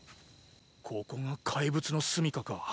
ここが怪物の住み処か。